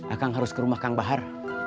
akang harus ke rumah kang bahar